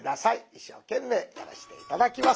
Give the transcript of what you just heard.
一生懸命やらして頂きます。